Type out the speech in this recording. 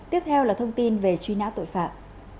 tiếp theo là thông tin về truy nã tội phạm